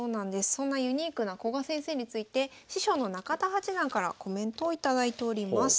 そんなユニークな古賀先生について師匠の中田八段からコメントを頂いております。